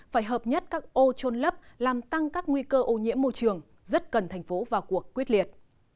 phải hợp nhất các ô trôn lấp làm tăng các nguy cơ ô nhiễm môi trường rất cần thành phố vào cuộc quyết liệt